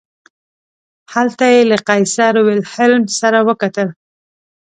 هلته یې له قیصر ویلهلم سره وکتل.